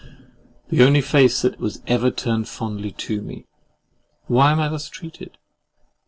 the only face that ever was turned fondly to me! And why am I thus treated?